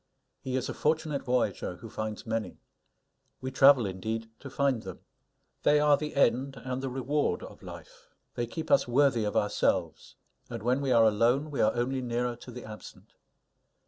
He is a fortunate voyager who finds many. We travel, indeed, to find them. They are the end and the reward of life. They keep us worthy of ourselves; and when we are alone, we are only nearer to the absent.